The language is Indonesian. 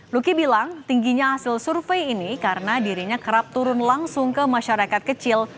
luki bilang tingginya hasil survei ini karena dirinya kerap turun langsung ke masyarakat kecil